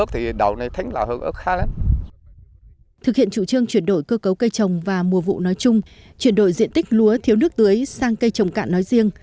thực hiện chủ trương chuyển đổi cơ cấu cây trồng và mùa vụ nói chung chuyển đổi diện tích lúa thiếu nước tưới sang cây trồng cạn nói riêng